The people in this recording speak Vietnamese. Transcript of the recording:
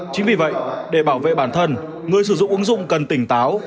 chính vì vậy để bảo vệ bản thân người sử dụng ứng dụng cần tỉnh táo